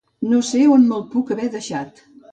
No sé on me'l puc haver deixat.